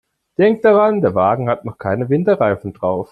Denk daran, der Wagen hat noch keine Winterreifen drauf.